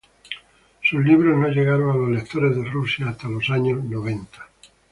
Sus libros no llegaron a los lectores de Rusia hasta los años noventa.